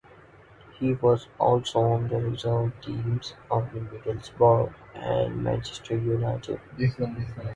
He was also on the reserve teams of Middlesbrough and Manchester United.